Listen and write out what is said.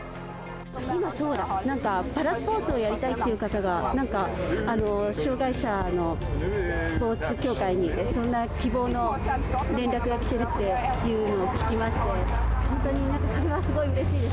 今、そうだ、なんかパラスポーツをやりたいっていう方が、なんか障がい者のスポーツ協会に、そんな希望の連絡が来てるっていうのを聞きまして、本当にそれはすごいうれしいです。